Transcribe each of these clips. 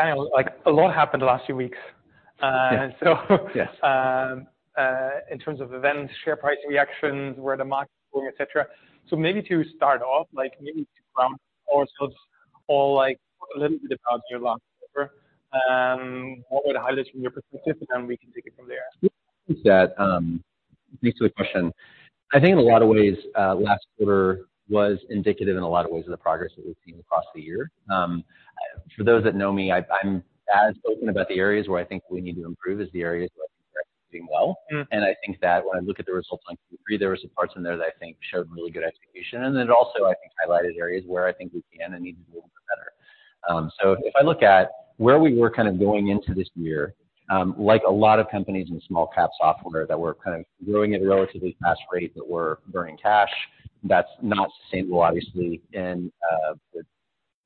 Daniel, like, a lot happened the last few weeks. Yeah. So... Yes. In terms of events, share price reactions, where the market is going, et cetera. So maybe to start off, like maybe to ground ourselves all, like a little bit about your last quarter, what were the highlights from your perspective, and then we can take it from there? Is that, thanks for the question. I think in a lot of ways, last quarter was indicative in a lot of ways of the progress that we've seen across the year. For those that know me, I'm as open about the areas where I think we need to improve as the areas where I think we're doing well. Mm. I think that when I look at the results on Q3, there were some parts in there that I think showed really good execution, and it also, I think, highlighted areas where I think we can and need to do better. So, if I look at where we were kind of going into this year, like a lot of companies in small-cap software that were kind of growing at a relatively fast rate but were burning cash, that's not sustainable, obviously, in the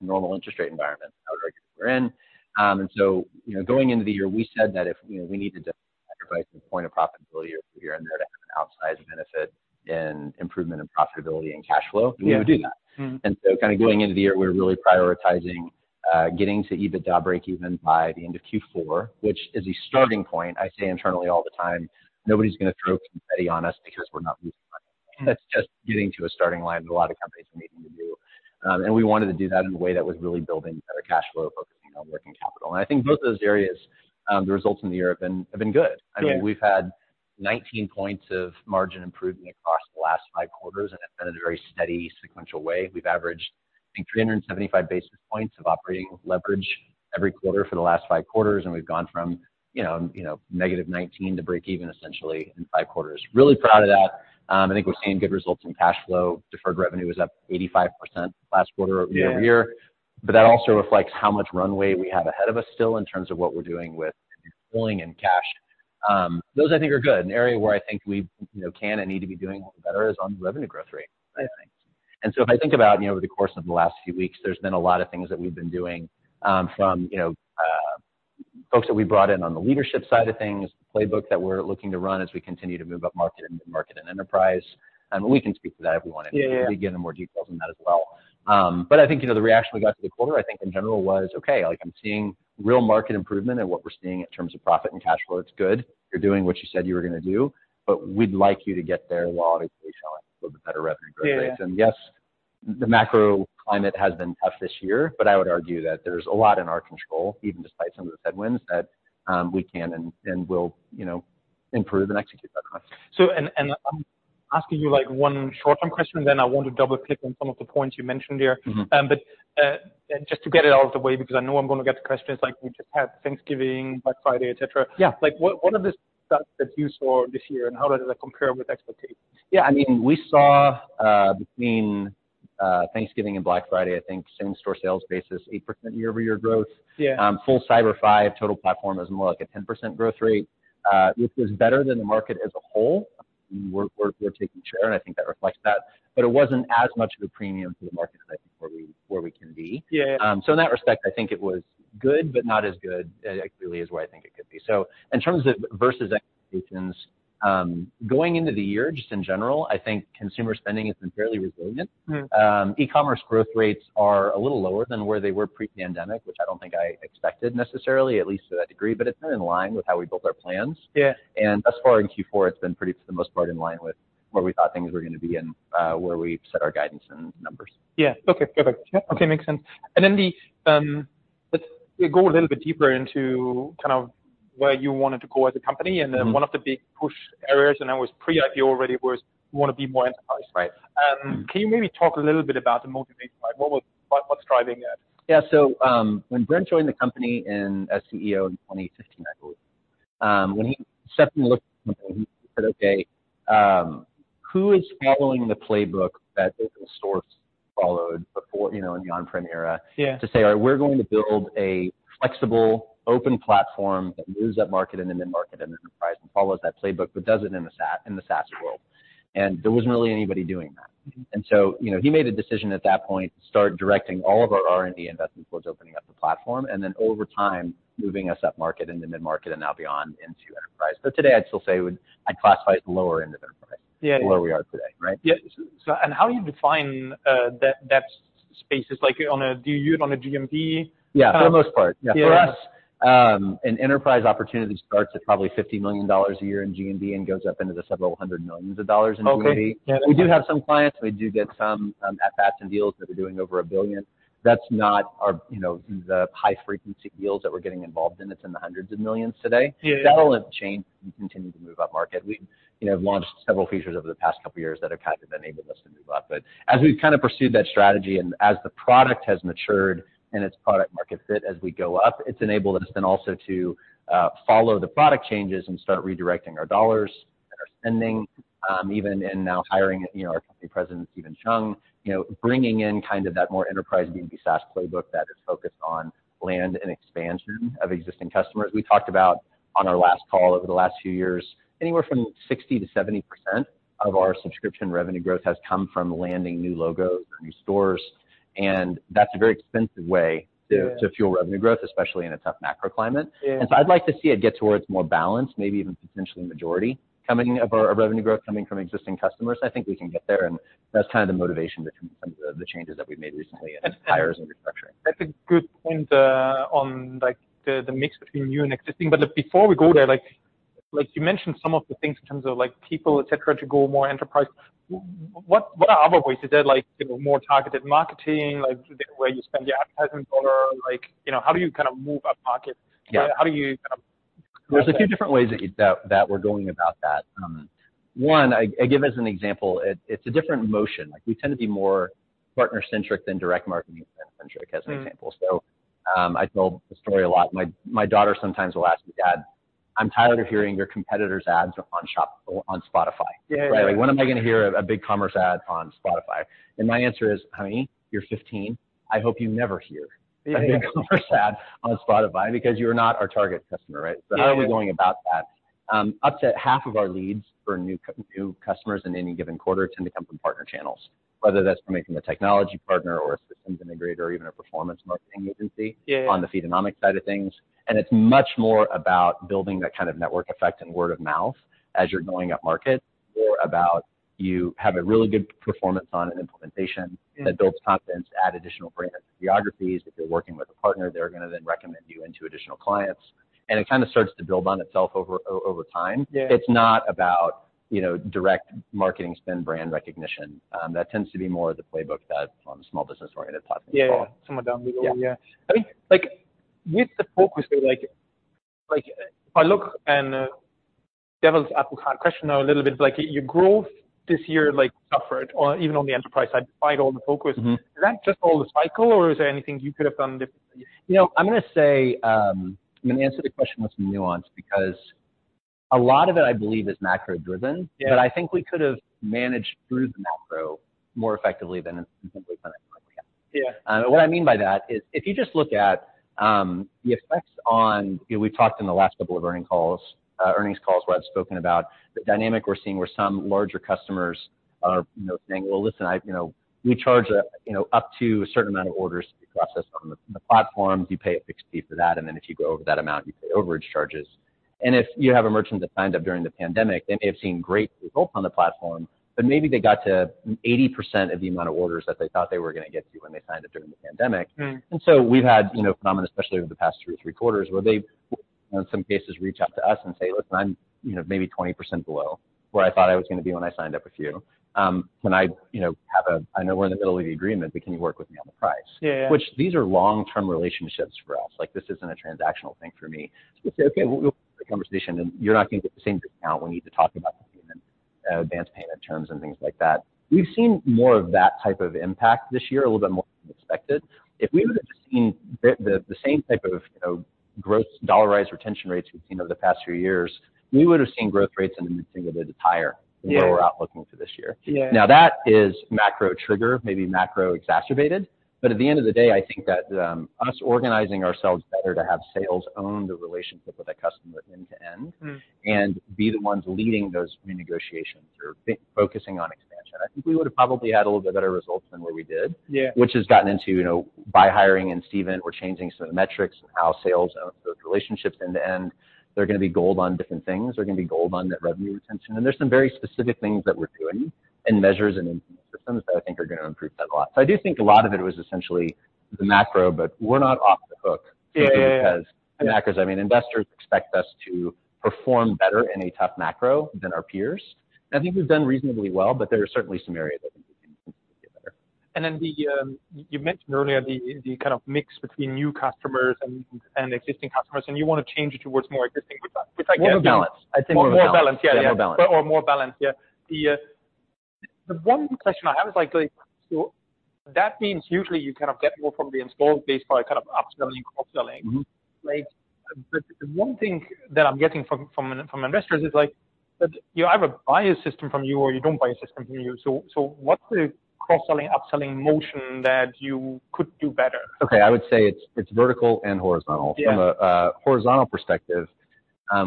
normal interest rate environment that we're in. And so, you know, going into the year, we said that if, you know, we need to just provide some point of profitability year-over-year to have an outsized benefit in improvement in profitability and cash flow. Yeah. We would do that. Mm. And so kind of going into the year, we're really prioritizing getting to EBITDA breakeven by the end of Q4, which is a starting point. I say internally all the time, nobody's going to throw confetti on us because we're not losing money. That's just getting to a starting line that a lot of companies are needing to do. We wanted to do that in a way that was really building better cash flow, focusing on working capital. I think both those areas, the results in the year have been good. Yeah. I mean, we've had 19 points of margin improvement across the last five quarters, and it's been a very steady, sequential way. We've averaged, I think, 375 basis points of operating leverage every quarter for the last five quarters, and we've gone from, you know, you know, -19 to breakeven essentially in five quarters. Really proud of that. I think we've seen good results in cash flow. Deferred revenue was up 85% last quarter over year-over-year. Yeah. But that also reflects how much runway we have ahead of us still in terms of what we're doing with pulling in cash. Those I think are good. An area where I think we, you know, can and need to be doing better is on revenue growth rate, I think. And so if I think about, you know, over the course of the last few weeks, there's been a lot of things that we've been doing from you know folks that we brought in on the leadership side of things, playbook that we're looking to run as we continue to move up market and mid-market and enterprise, and we can speak to that if we want to. Yeah. We can get into more details on that as well. But I think, you know, the reaction we got to the quarter, I think in general, was, okay, like I'm seeing real market improvement and what we're seeing in terms of profit and cash flow, it's good. You're doing what you said you were going to do, but we'd like you to get there while obviously showing a little bit better revenue growth rates. Yeah, yeah, yeah. Yes, the macro climate has been tough this year, but I would argue that there's a lot in our control, even despite some of the headwinds, that we can and will, you know, improve and execute that climate. So, I'm asking you, like, one short-term question, then I want to double-click on some of the points you mentioned there. Mm-hmm. But just to get it out of the way, because I know I'm going to get the questions, like, we just had Thanksgiving, Black Friday, et cetera. Yeah. Like, what are the stats that you saw this year, and how does that compare with expectations? Yeah, I mean, we saw between Thanksgiving and Black Friday, I think same store sales basis, 8% year-over-year growth. Yeah. Full Cyber Five, total platform was more like a 10% growth rate. This was better than the market as a whole. We're taking share, and I think that reflects that, but it wasn't as much of a premium to the market, I think, where we can be. Yeah. So in that respect, I think it was good, but not as good as clearly as where I think it could be. So in terms of versus expectations, going into the year, just in general, I think consumer spending has been fairly resilient. Mm. E-commerce growth rates are a little lower than where they were pre-pandemic, which I don't think I expected necessarily, at least to that degree, but it's been in line with how we built our plans. Yeah. Thus far in Q4, it's been pretty, for the most part, in line with where we thought things were going to be and where we've set our guidance and numbers. Yeah. Okay, perfect. Yeah. Okay, makes sense. And then, let's go a little bit deeper into kind of where you wanted to go as a company- Mm. And then one of the big push areas, and that was pre-IPO already, was you want to be more enterprise. Right. Can you maybe talk a little bit about the motivation? Like, what's driving that? Yeah. So, when Brent joined the company in, as CEO in 2015, I believe, when he stepped in and looked, he said, "Okay, who is following the playbook that open source followed before, you know, in the on-prem era?" Yeah. To say, we're going to build a flexible, open platform that moves up market, and then mid-market, and enterprise, and follows that playbook, but does it in the SaaS world. There wasn't really anybody doing that. So, you know, he made a decision at that point to start directing all of our R&D investments toward opening up the platform, and then over time, moving us up market, and to mid-market, and now beyond into enterprise. But today I'd still say we—I'd classify it as lower end of enterprise. Yeah. Where we are today, right? Yeah. So, how do you define that space? Like, do you use on a GMV? Yeah, for the most part. Yeah. For us, an enterprise opportunity starts at probably $50 million a year in GMV and goes up into the several 100 millions of dollars in GMV. Okay. Yeah. We do have some clients, we do get some at-bat deals that are doing over $1 billion. That's not our, you know, the high-frequency deals that we're getting involved in. It's in the hundreds of millions today. Yeah. That will have changed as we continue to move up market. We, you know, have launched several features over the past couple of years that have kind of enabled us to move up. But as we've kind of pursued that strategy and as the product has matured and its product market fit as we go up, it's enabled us then also to follow the product changes and start redirecting our dollars that are spending, even in now hiring, you know, our company President, Steven Chung. You know, bringing in kind of that more enterprise B2B SaaS playbook that is focused on land and expansion of existing customers. We talked about on our last call over the last few years, anywhere from 60%-70% of our subscription revenue growth has come from landing new logos or new stores, and that's a very expensive way to- Yeah -to fuel revenue growth, especially in a tough macro climate. Yeah. So I'd like to see it get towards more balanced, maybe even potentially majority coming from our revenue growth coming from existing customers. I think we can get there, and that's kind of the motivation between some of the, the changes that we've made recently in hires and restructuring. That's a good point on, like, the mix between new and existing. But look, before we go there, like you mentioned some of the things in terms of, like, people, et cetera, to go more enterprise. What are other ways? Is there, like, you know, more targeted marketing, like, the way you spend your advertising dollar? Like, you know, how do you kind of move up market? Yeah. How do you... There's a few different ways that we're going about that. One, I give as an example, it's a different motion. Like, we tend to be more partner-centric than direct marketing-centric, as an example. Mm. So, I tell the story a lot. My daughter sometimes will ask me: "Dad, I'm tired of hearing your competitors' ads on shuffle on Spotify." Yeah, yeah. Right? Like, "When am I going to hear a BigCommerce ad on Spotify?" And my answer is: "Honey, you're 15. I hope you never hear- Yeah, yeah, yeah.... a BigCommerce ad on Spotify, because you're not our target customer," right? Yeah, yeah. So how are we going about that? Up to half of our leads for new customers in any given quarter tend to come from partner channels, whether that's from maybe a technology partner or a systems integrator, or even a performance marketing agency- Yeah... on the Feedonomics side of things. It's much more about building that kind of network effect and word of mouth as you're going up market, or about you have a really good performance on an implementation- Yeah That builds confidence, add additional geographies. If they're working with a partner, they're going to then recommend you into additional clients, and it kind of starts to build on itself over time. Yeah. It's not about, you know, direct marketing spend, brand recognition. That tends to be more of the playbook that small business-oriented platforms follow. Yeah, somewhat down below, yeah. I mean, like, with the focus, like, if I look and, devil's advocate question now a little bit, like, your growth this year, like, suffered even on the enterprise side, despite all the focus? Mm-hmm. Is that just all the cycle, or is there anything you could have done differently? You know, I'm going to say, I'm going to answer the question with some nuance, because a lot of it, I believe, is macro-driven. Yeah. But I think we could have managed through the macro more effectively than we kind of likely have. Yeah. What I mean by that is, if you just look at the effects on, you know, we've talked in the last couple of delivering calls, earnings calls, where I've spoken about the dynamic we're seeing, where some larger customers are, you know, saying: "Well, listen, I, you know, we charge a, you know, up to a certain amount of orders to be processed on the platform." You pay a fixed fee for that, and then if you go over that amount, you pay overage charges. And if you have a merchant that signed up during the pandemic, they may have seen great results on the platform, but maybe they got to 80% of the amount of orders that they thought they were going to get to when they signed up during the pandemic. Mm. And so we've had, you know, a phenomenon, especially over the past two, three quarters, where they, in some cases, reach out to us and say: "Listen, I'm, you know, maybe 20% below where I thought I was going to be when I signed up with you. Can I, you know, have a. I know we're in the middle of the agreement, but can you work with me on the price?" Yeah, yeah. Which these are long-term relationships for us. Like, this isn't a transactional thing for me. So we say: "Okay, we'll have a conversation, and you're not going to get the same discount. We need to talk about the payment, advanced payment terms and things like that." We've seen more of that type of impact this year, a little bit more than expected. If we would have seen the same type of, you know, gross dollarized retention rates we've seen over the past few years, we would've seen growth rates in the mid-single digits higher- Yeah... than what we're out looking for this year. Yeah. Now, that is macro trigger, maybe macro exacerbated, but at the end of the day, I think that, us organizing ourselves better to have sales own the relationship with that customer end-to-end- Mm.... and be the ones leading those renegotiations or focusing on expansion, I think we would've probably had a little bit better results than what we did. Yeah. Which has gotten into, you know, by hiring and Steven, we're changing some of the metrics and how sales own those relationships end-to-end. They're going to be goaled on different things. They're going to be goaled on net revenue retention, and there's some very specific things that we're doing and measures and systems that I think are going to improve that a lot. So, I do think a lot of it was essentially the macro, but we're not off the hook- Yeah, yeah, yeah. Because the macros, I mean, investors expect us to perform better in a tough macro than our peers. I think we've done reasonably well, but there are certainly some areas that we can get better. And then you mentioned earlier the kind of mix between new customers and existing customers, and you want to change it towards more existing, which I- More balance. I think more balance. More balance, yeah, yeah. More balance. Or more balance, yeah. The, the one question I have is, like, so that means usually you kind of get more from the installed base by kind of upselling, cross-selling. Mm-hmm. Like, the one thing that I'm getting from investors is like: That you either buy a system from you or you don't buy a system from you. So, what's the cross-selling, upselling motion that you could do better? Okay, I would say it's vertical and horizontal. Yeah. From a horizontal perspective,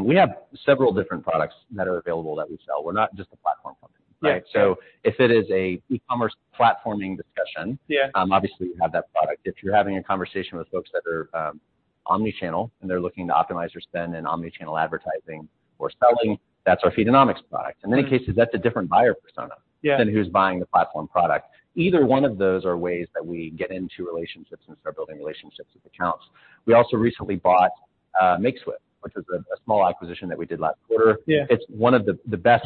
we have several different products that are available that we sell. We're not just a platform company, right? Yeah. So if it is an e-commerce platforming discussion- Yeah Obviously, we have that product. If you're having a conversation with folks that are omnichannel, and they're looking to optimize their spend in omnichannel advertising or selling, that's our Feedonomics product. Mm. In many cases, that's a different buyer persona- Yeah... than who's buying the platform product. Either one of those are ways that we get into relationships and start building relationships with accounts. We also recently bought Makeswift, which is a small acquisition that we did last quarter. Yeah. It's one of the best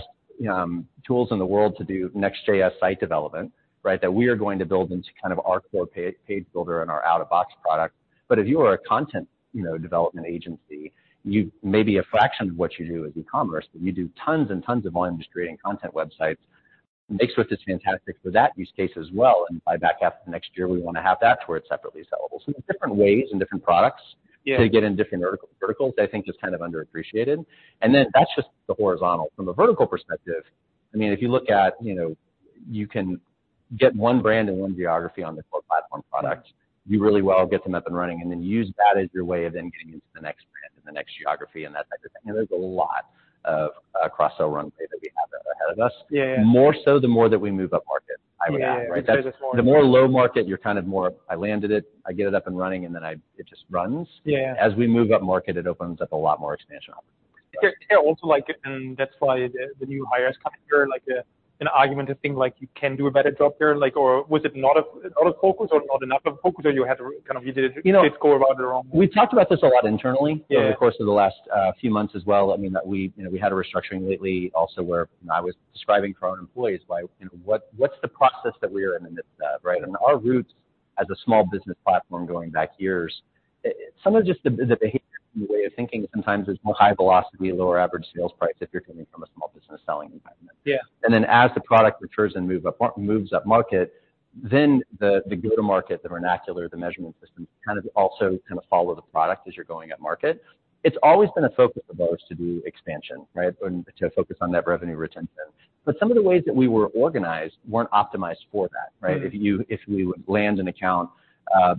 tools in the world to do Next.js site development, right? That we are going to build into kind of our core page builder and our out-of-box product. But if you are a content, you know, development agency, you may be a fraction of what you do as e-commerce, but you do tons and tons of industry and content websites. Makeswift is fantastic for that use case as well, and by back half of next year, we want to have that towards separately sellable. So different ways and different products- Yeah. To get in different verticals, I think, is kind of underappreciated, and then that's just the horizontal. From a vertical perspective, I mean, if you look at, you know, you can get one brand and one geography on the core platform product. You really well get them up and running, and then use that as your way of then getting into the next brand and the next geography, and that type of thing, and there's a lot of crossover runway that we have ahead of us. Yeah, yeah. More so, the more that we move upmarket, I would add, right? Yeah. The more low market, you're kind of more. I landed it, I get it up and running, and then I, it just runs. Yeah. As we move up market, it opens up a lot more expansion opportunities. You can tell also like it and that's why the new hires come in here, like an argument of things like you can do a better job there, like or was it not a focus or not enough focus, or you had to kind of use it- You know- Go about it wrong? We talked about this a lot internally- Yeah... over the course of the last few months as well. I mean, that we, you know, we had a restructuring lately also where I was describing to our own employees by, you know, what's the process that we are in the midst of, right? And our roots as a small business platform going back years, some of just the behavior way of thinking sometimes is more high velocity, lower average sales price if you're coming from a small business selling environment. Yeah. And then, as the product matures and moves up market, then the go-to-market, the vernacular, the measurement system kind of also kind of follow the product as you're going up market. It's always been a focus of ours to do expansion, right? And to focus on that revenue retention. But some of the ways that we were organized weren't optimized for that, right? Mm-hmm. If we land an account,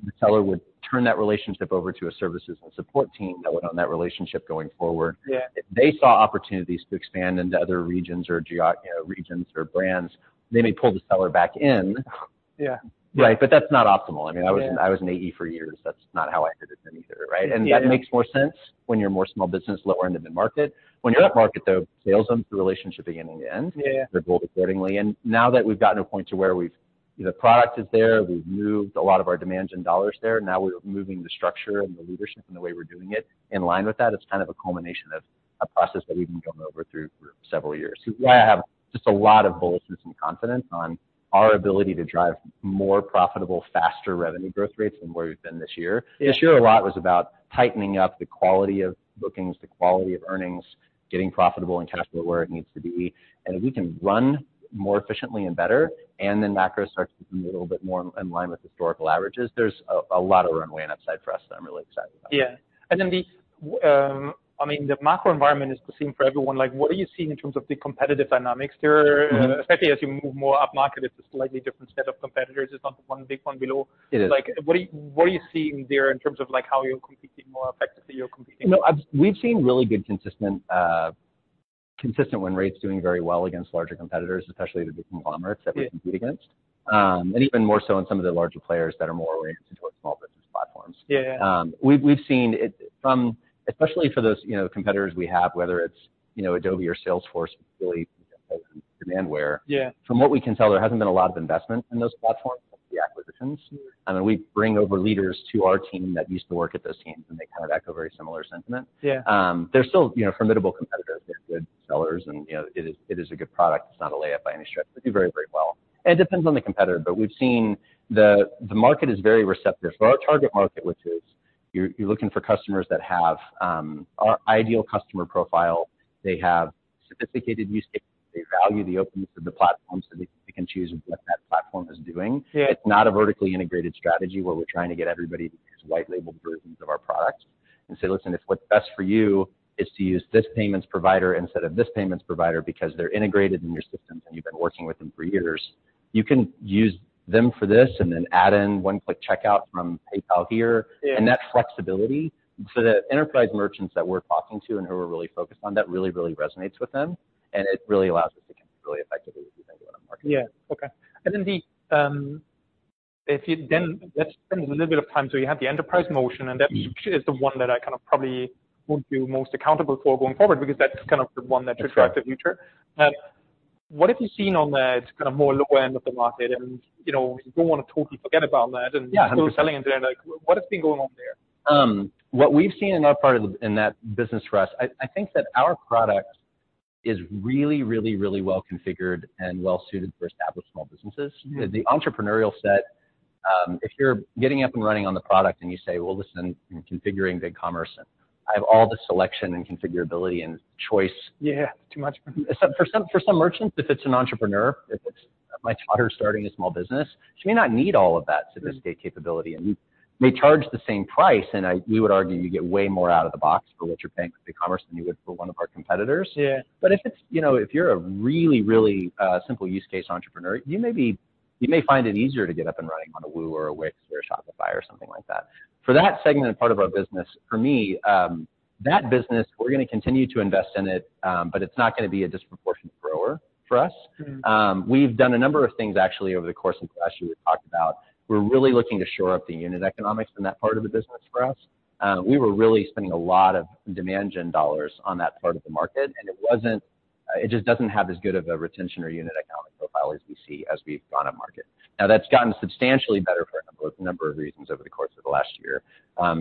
the seller would turn that relationship over to a services and support team that would own that relationship going forward. Yeah. If they saw opportunities to expand into other regions or geo- you know, regions or brands, they may pull the seller back in. Yeah. Right? But that's not optimal. Yeah. I mean, I was an AE for years. That's not how I did it then either, right? Yeah. That makes more sense when you're more small business, lower end of the market. Yeah. When you're up market, though, sales owns the relationship beginning to end. Yeah, yeah. They're built accordingly, and now that we've gotten to a point to where we've, you know, product is there, we've moved a lot of our demands and dollars there. Now, we're moving the structure and the leadership and the way we're doing it in line with that. It's kind of a culmination of a process that we've been going over through for several years. It's why I have just a lot of boldness and confidence on our ability to drive more profitable, faster revenue growth rates than where we've been this year. Yeah, sure. This year, a lot was about tightening up the quality of bookings, the quality of earnings, getting profitable and cash flow where it needs to be. And if we can run more efficiently and better, and then macro starts to be a little bit more in line with historical averages, there's a lot of runway on that side for us that I'm really excited about. Yeah. And then the, I mean, the macro environment is the same for everyone. Like, what are you seeing in terms of the competitive dynamics there? Mm-hmm. Especially as you move more up market, it's a slightly different set of competitors. It's not the one big one below. It is. Like, what are you, what are you seeing there in terms of, like, how you're competing more effectively or competing? No, we've seen really good consistent, consistent win rates doing very well against larger competitors, especially the big conglomerates- Yeah.... that we compete against. And even more so in some of the larger players that are more oriented towards small business platforms. Yeah. We've seen it from- especially for those, you know, competitors we have, whether it's, you know, Adobe or Salesforce, really, Demandware. Yeah. From what we can tell, there hasn't been a lot of investment in those platforms, the acquisitions. I mean, we bring over leaders to our team that used to work at those teams, and they kind of echo very similar sentiment. Yeah. They're still, you know, formidable competitors. They're good sellers, and, you know, it is a good product. It's not a layup by any stretch. They do very, very well. It depends on the competitor, but we've seen the, the market is very receptive. So our target market, which is, you're looking for customers that have, our ideal customer profile, they have sophisticated use cases, they value the openness of the platform, so they can choose what that platform is doing. Yeah. It's not a vertically integrated strategy, where we're trying to get everybody to use white label versions of our product and say: "Listen, if what's best for you is to use this payments provider instead of this payments provider because they're integrated in your systems, and you've been working with them for years, you can use them for this and then add in one-click checkout from PayPal here." Yeah. That flexibility, so the enterprise merchants that we're talking to and who we're really focused on, that really, really resonates with them, and it really allows us to compete really effectively with anyone on the market. Yeah. Okay. And then the then let's spend a little bit of time. So you have the enterprise motion, and that is the one that I kind of probably would be most accountable for going forward because that's kind of the one that drives the future. That's right. What have you seen on the kind of more lower end of the market? And, you know, you don't want to totally forget about that- Yeah, 100%. Still selling at the end, like, what has been going on there? What we've seen in that part of the, in that business for us, I think that our product is really, really, really well configured and well suited for established small businesses. Yeah. The entrepreneurial set, if you're getting up and running on the product, and you say, "Well, listen, I'm configuring BigCommerce. I have all the selection and configurability and choice." Yeah, too much. Except for some merchants, if it's an entrepreneur, if it's my daughter starting a small business, she may not need all of that- Mm-hmm... sophisticated capability, and we may charge the same price, and we would argue you get way more out of the box for what you're paying for the commerce than you would for one of our competitors. Yeah. But if it's, you know, if you're a really, really simple use case entrepreneur, you may find it easier to get up and running on a Woo or a Wix or a Shopify or something like that. For that segment-part of our business, for me, that business, we're going to continue to invest in it, but it's not going to be a disproportionate grower for us. Mm. We've done a number of things actually over the course of last year we talked about. We're really looking to shore up the unit economics in that part of the business for us. We were really spending a lot of demand gen dollars on that part of the market, and it wasn't. It just doesn't have as good of a retention or unit economic profile as we see as we've gone to market. Now, that's gotten substantially better for a number of reasons over the course of the last year.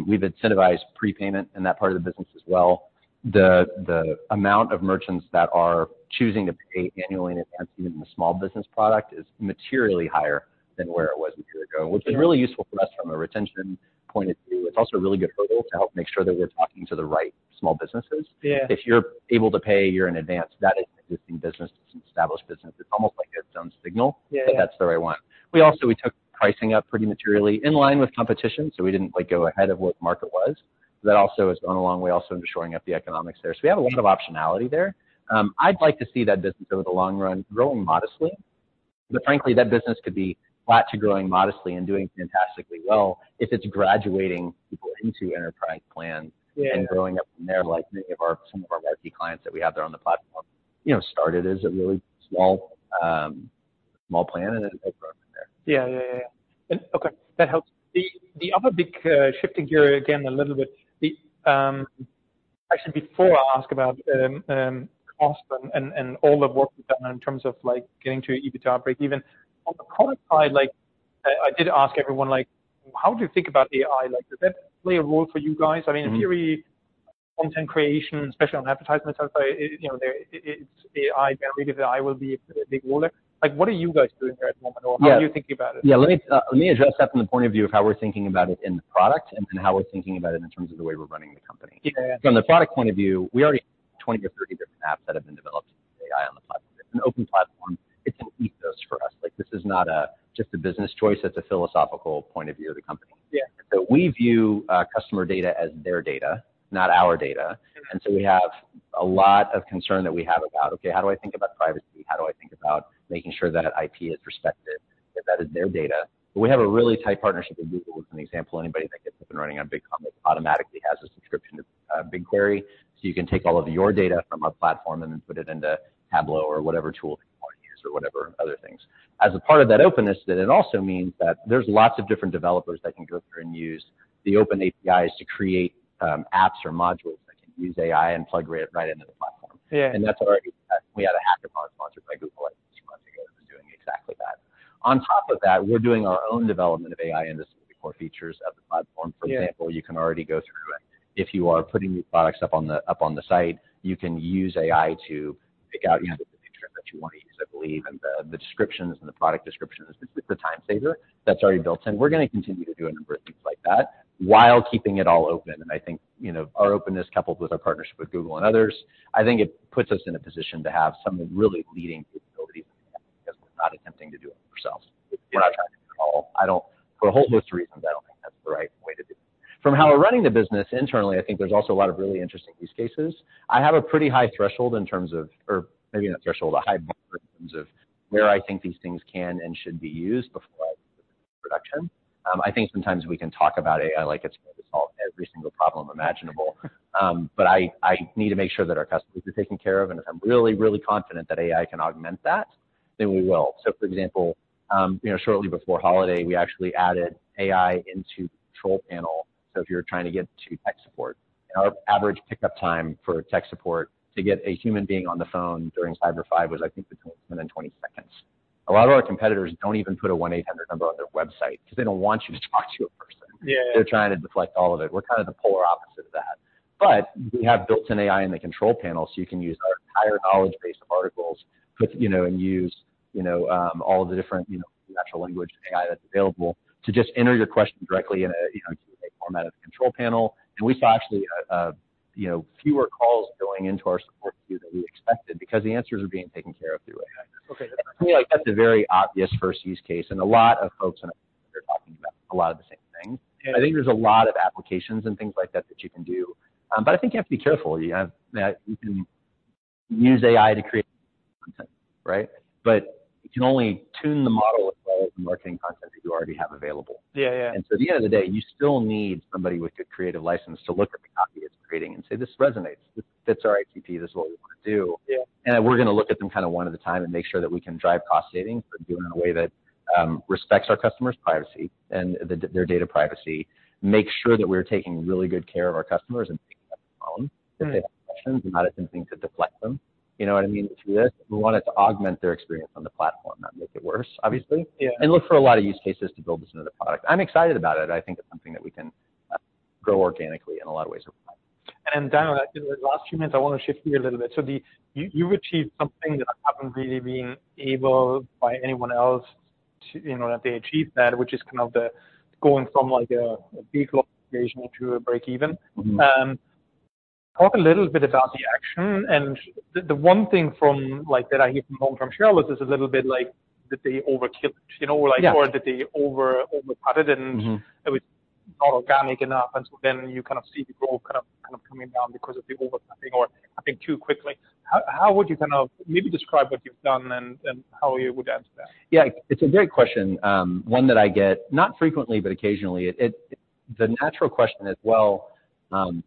We've incentivized prepayment in that part of the business as well. The amount of merchants that are choosing to pay annually in advance, even in the small business product, is materially higher than where it was a year ago. Yeah. Which has been really useful for us from a retention point of view. It's also a really good hurdle to help make sure that we're talking to the right small businesses. Yeah. If you're able to pay a year in advance, that is an existing business, it's an established business. It's almost like a done signal- Yeah... but that's the right one. We also, we took pricing up pretty materially in line with competition, so we didn't, like, go ahead of what the market was. That also has gone a long way also into shoring up the economics there. So we have a lot of optionality there. I'd like to see that business over the long run growing modestly, but frankly, that business could be flat to growing modestly and doing fantastically well if it's graduating people into enterprise plans- Yeah.... and growing up from there, like many of our, some of our VIP clients that we have there on the platform, you know, started as a really small plan and then they grow from there. Yeah, yeah, yeah. Okay, that helps. The other big shifting gear again a little bit. Actually, before I ask about cost and all the work you've done in terms of, like, getting to EBITDA break even. On the product side, like, I did ask everyone, like, how do you think about AI? Like, does that play a role for you guys? Mm-hmm. I mean, in theory, content creation, especially on the advertisement side, you know, there, it's AI generated, AI will be a big role there. Like, what are you guys doing there at the moment, or how are you thinking about it? Yeah. Let me, let me address that from the point of view of how we're thinking about it in the product and, and how we're thinking about it in terms of the way we're running the company. Yeah. From the product point of view, we already have 20-30 different apps that have been developed with AI on the platform. It's an open platform. It's an ethos for us. Like, this is not a, just a business choice, it's a philosophical point of view of the company. Yeah. We view customer data as their data, not our data. Mm-hmm. And so we have a lot of concern that we have about, okay, how do I think about privacy? How do I think about making sure that IP is respected, if that is their data? But we have a really tight partnership with Google, as an example. Anybody that gets up and running on BigCommerce automatically has a subscription to BigQuery. So, you can take all of your data from our platform and then put it into Tableau or whatever tool you want to use or whatever other things. As a part of that openness, then it also means that there's lots of different developers that can go through and use the open APIs to create apps or modules that can use AI and plug right into the platform. Yeah. That's already- we had a hackathon sponsored by Google, like, two months ago, that was doing exactly that. On top of that, we're doing our own development of AI into some of the core features of the platform. Yeah. For example, you can already go through and if you are putting new products up on the site, you can use AI to pick out, you know, the picture that you want to use, I believe, and the descriptions and the product descriptions. It's a time saver. That's already built in. We're going to continue to do a number of things like that while keeping it all open, and I think, you know, our openness, coupled with our partnership with Google and others, I think it puts us in a position to have some really leading capabilities, because we're not attempting to do it ourselves. Yeah. We're not trying to do it all. I don't for a whole host of reasons, I don't think that's the right way to do it. From how we're running the business internally, I think there's also a lot of really interesting use cases. I have a pretty high threshold in terms of, or maybe not threshold, a high bar in terms of where I think these things can and should be used before I use them in production. I think sometimes we can talk about AI like it's going to solve every single problem imaginable. But I need to make sure that our customers are taken care of, and if I'm really, really confident that AI can augment that, then we will. So, for example, you know, shortly before holiday, we actually added AI into the control panel, so if you're trying to get to tech support. Our average pickup time for tech support to get a human being on the phone during Cyber Five was, I think, between seven and 20 seconds. A lot of our competitors don't even put a 1-800 number on their website because they don't want you to talk to a person. Yeah. They're trying to deflect all of it. We're kind of the polar opposite of that. But we have built an AI in the control panel, so you can use our entire knowledge base of articles, you know, and use, you know, all the different, you know, natural language AI that's available to just enter your question directly in a, you know, Q&A format of the control panel. And we saw actually, you know, fewer calls going into our support queue than we expected because the answers are being taken care of through AI. Okay. To me, like, that's a very obvious first use case, and a lot of folks in are talking about a lot of the same things. Yeah. I think there's a lot of applications and things like that, that you can do. But I think you have to be careful that you can use AI to create content, right? But you can only tune the model with all of the marketing content that you already have available. Yeah, yeah. At the end of the day, you still need somebody with a creative license to look at the copy it's creating and say: This resonates. This fits our IP. This is what we want to do. Yeah. We're going to look at them kind of one at a time and make sure that we can drive cost savings, but do it in a way that respects our customers' privacy and their data privacy. Make sure that we're taking really good care of our customers and taking them on- Right. If they have questions, not attempting to deflect them. You know what I mean? We want it to augment their experience on the platform, not make it worse, obviously. Yeah. Look for a lot of use cases to build this into the product. I'm excited about it. I think it's something that we can grow organically in a lot of ways. Daniel, in the last few minutes, I want to shift gear a little bit. You, you've achieved something that I haven't really been able by anyone else to, you know, that they achieved that, which is kind of the going from, like, a big location to a break even. Mm-hmm. Talk a little bit about the action. And the one thing from, like, that I hear from home from shareholders is a little bit like that they overkilled, you know? Yeah. Like, or that they overcut it- Mm-hmm. It was not organic enough, and so then you see people coming down because of the overcutting or cutting too quickly. How would you kind of maybe describe what you've done and how you would answer that? Yeah, it's a great question, one that I get, not frequently, but occasionally. The natural question is, well, could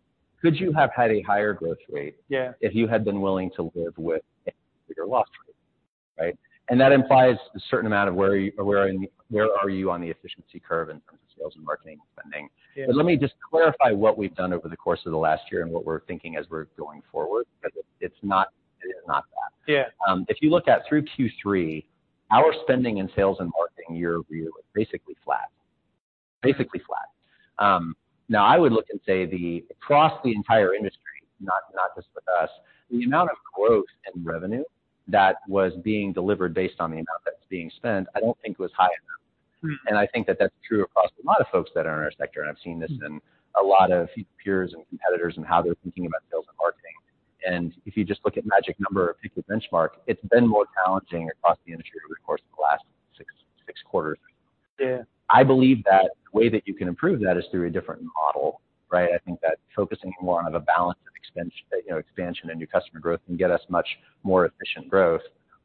you have had a higher growth rate- Yeah. If you had been willing to live with a bigger loss rate, right? And that implies a certain amount of where are you on the efficiency curve in terms of sales and marketing spending? Yeah. Let me just clarify what we've done over the course of the last year and what we're thinking as we're going forward, because it's not, it is not that. Yeah. If you look at through Q3, our spending in sales and marketing year-over-year was basically flat. Basically flat. Now, I would look and say the, across the entire industry, not just with us, the amount of growth in revenue that was being delivered based on the amount that's being spent, I don't think was high enough. Mm-hmm. I think that that's true across a lot of folks that are in our sector, and I've seen this in a lot of peers and competitors and how they're thinking about sales and marketing. If you just look at magic number or pick a benchmark, it's been more challenging across the industry over the course of the last six quarters. Yeah. I believe that the way that you can improve that is through a different model, right? I think that focusing more on a balance of you know, expansion and new customer growth can get us much more efficient growth.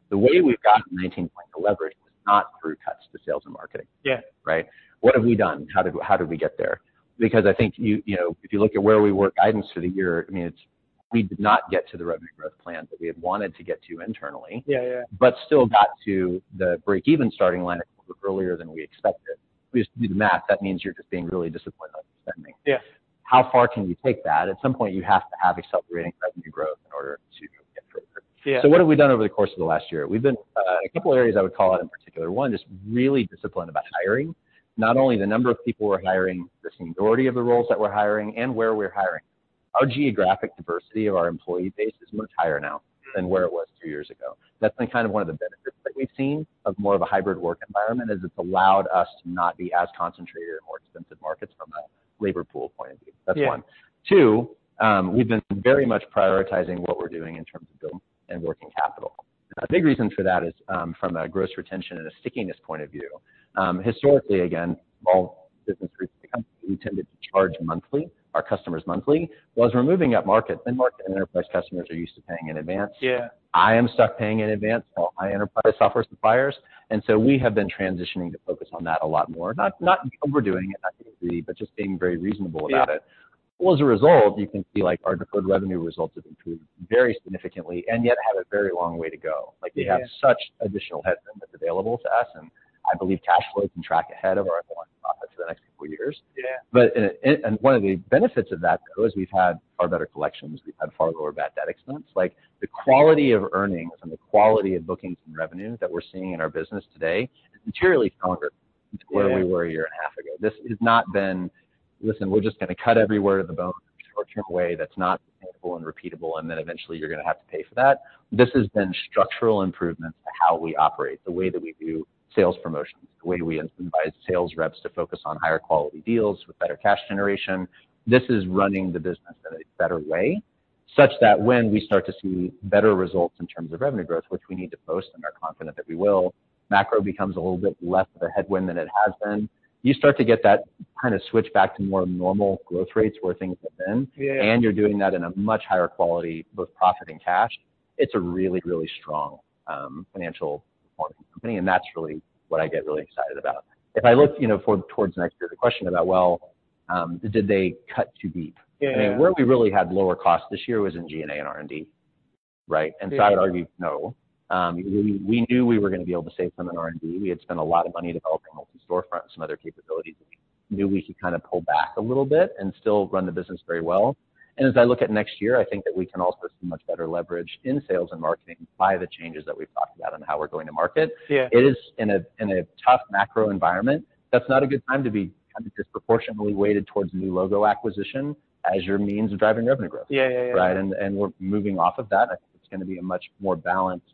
The way we've gotten 19-point leverage is not through cuts to sales and marketing. Yeah. Right? What have we done? How did we get there? Because I think you know, if you look at where we were guidance for the year, I mean, it's we did not get to the revenue growth plan that we had wanted to get to internally. Yeah, yeah. Still got to the break-even starting line a little bit earlier than we expected. We just do the math, that means you're just being really disciplined on spending. Yeah. How far can you take that? At some point, you have to have accelerating revenue growth in order to get further. Yeah. So what have we done over the course of the last year? We've been a couple of areas I would call out in particular. One, just really disciplined about hiring. Not only the number of people we're hiring, the seniority of the roles that we're hiring, and where we're hiring. Our geographic diversity of our employee base is much higher now than where it was two years ago. That's been kind of one of the benefits that we've seen of more of a hybrid work environment, is it's allowed us to not be as concentrated in more expensive markets from a labor pool point of view. Yeah. That's one. Two, we've been very much prioritizing what we're doing in terms of build and working capital. A big reason for that is, from a gross retention and a stickiness point of view. Historically, again, all business groups, we tended to charge monthly, our customers monthly. Well, as we're moving up market, mid-market and enterprise customers are used to paying in advance. Yeah. I am stuck paying in advance to all my enterprise software suppliers, and so we have been transitioning to focus on that a lot more. Not, not overdoing it, not completely, but just being very reasonable about it. Yeah. Well, as a result, you can see, like, our deferred revenue results have improved very significantly, and yet have a very long way to go. Yeah. Like, we have such additional headwind that's available to us, and I believe cash flow can track ahead of our profits for the next couple of years. Yeah. But one of the benefits of that, though, is we've had far better collections. We've had far lower bad debt expense. Like, the quality of earnings and the quality of bookings and revenues that we're seeing in our business today is materially stronger- Yeah. than where we were a year and a half ago. This has not been, "Listen, we're just going to cut everywhere to the bone, short-term way that's not scalable and repeatable, and then eventually you're going to have to pay for that." This has been structural improvements to how we operate, the way that we do sales promotions, the way we incentivize sales reps to focus on higher quality deals with better cash generation. This is running the business in a better way, such that when we start to see better results in terms of revenue growth, which we need to post and are confident that we will, macro becomes a little bit less of a headwind than it has been. You start to get that kind of switch back to more normal growth rates where things have been. Yeah. You're doing that in a much higher quality, both profit and cash. It's a really, really strong financial performing company, and that's really what I get really excited about. Yeah. If I look, you know, towards next year, the question about, well, did they cut too deep? Yeah. I mean, where we really had lower costs this year was in G&A and R&D, right? Yeah. And so I would argue, no. We knew we were going to be able to save some in R&D. We had spent a lot of money developing storefront and some other capabilities, that we knew we could kind of pull back a little bit and still run the business very well. And as I look at next year, I think that we can also see much better leverage in sales and marketing by the changes that we've talked about and how we're going to market. Yeah. It is in a tough macro environment, that's not a good time to be kind of disproportionately weighted towards new logo acquisition as your means of driving revenue growth. Yeah, yeah, yeah. Right? And we're moving off of that. I think it's going to be a much more balanced,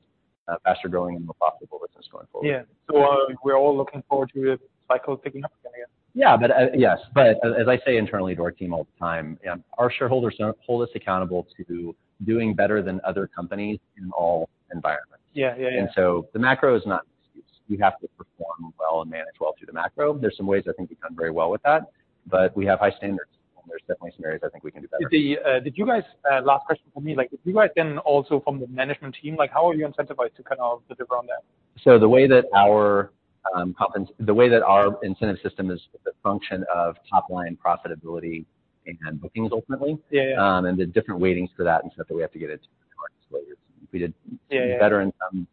faster-growing and more profitable business going forward. Yeah. So, we're all looking forward to the cycle picking up again. Yeah, but, yes, but as I say internally to our team all the time, our shareholders don't hold us accountable to doing better than other companies in all environments. Yeah, yeah, yeah. The macro is not an excuse. We have to perform well and manage well through the macro. There's some ways I think we've done very well with that, but we have high standards, and there's definitely some areas I think we can do better. Did you guys, last question for me, like, did you guys then, also from the management team, like, how are you incentivized to kind of deliver on that? So, the way that our incentive system is a function of top-line profitability and bookings, ultimately. Yeah, yeah. And the different weightings to that and stuff that we have to get it to layers. Yeah, yeah. We did better in some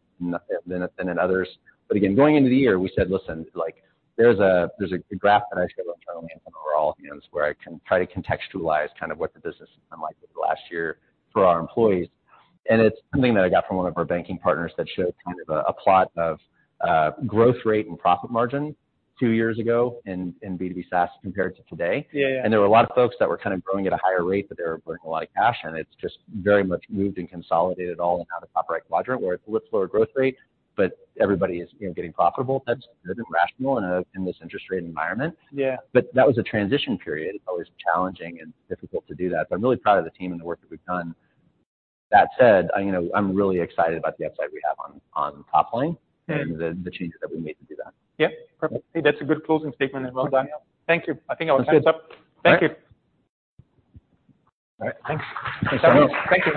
than in others. But again, going into the year, we said, "Listen, like, there's a graph that I show internally in all hands, where I can try to contextualize kind of what the business has been like over the last year for our employees." And it's something that I got from one of our banking partners that showed kind of a plot of growth rate and profit margin two years ago in B2B SaaS compared to today. Yeah, yeah. There were a lot of folks that were kind of growing at a higher rate, but they were burning a lot of cash, and it's just very much moved and consolidated all in how the top right quadrant, where it's a little lower growth rate, but everybody is, you know, getting profitable. That's good and rational in this interest rate environment. Yeah. But that was a transition period, always challenging and difficult to do that. But I'm really proud of the team and the work that we've done. That said, I, you know, I'm really excited about the upside we have on top line- Yeah and the changes that we made to do that. Yeah, perfect. Hey, that's a good closing statement as well, Daniel. Thank you. I think our time's up. All right. Thank you. All right. Thanks. Thanks a lot. Thank you.